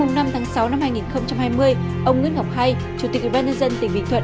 ngày năm tháng sáu năm hai nghìn hai mươi ông nguyễn ngọc hai chủ tịch ủy ban nhân dân tỉnh bình thuận